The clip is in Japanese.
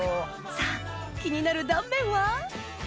さぁ気になる断面は？